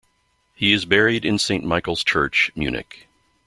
He is buried in Saint Michael's Church, Munich.